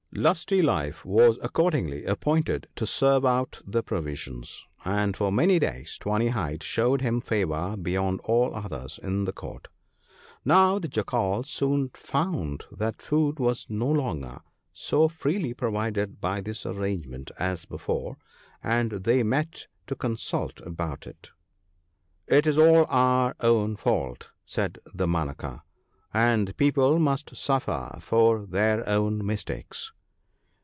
" Lusty life was accordingly appointed to serve out the provisions, and for many days Tawny hide showed him favour beyond all others in the Court. " Now the Jackals soon found that food was no longer THE PARTING OF FRIENDS. 73 so freely provided by this arrangement as before, and they met to consult about it. * It is all our own fault,' said Damanaka, ' and people must suffer for their own mistakes.